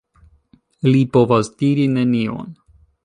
Li povas diri nenion.